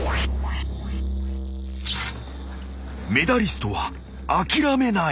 ［メダリストは諦めない］